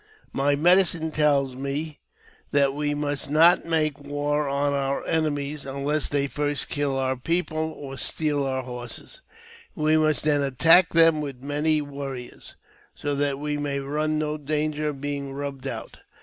" My medicine * tells me that we must not make war on our enemies, unless they first kill our people or steal our horses : we must then attack them with many warriors, so that we may run no danger of being rubbed out.